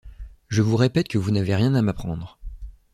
Je vous répète que vous n’avez rien à m’apprendre.